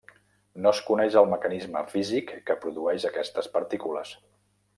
No es coneix el mecanisme físic que produïx aquestes partícules.